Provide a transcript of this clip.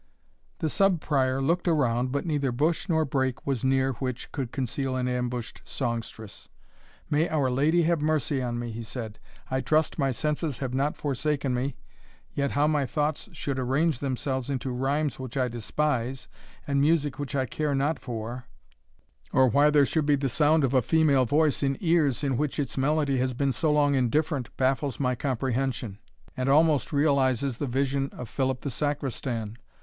The Sub Prior looked around, but neither bush nor brake was near which could conceal an ambushed songstress. "May Our Lady have mercy on me!" he said; "I trust my senses have not forsaken me yet how my thoughts should arrange themselves into rhymes which I despise, and music which I care not for, or why there should be the sound of a female voice in ears, in which its melody has been so long indifferent, baffles my comprehension, and almost realizes the vision of Philip the Sacristan.